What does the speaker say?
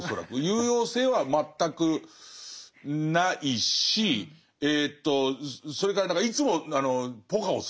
有用性は全くないしえとそれから何かいつもポカをする。